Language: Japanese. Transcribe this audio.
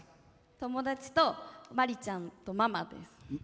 友達と、まりちゃんとママです。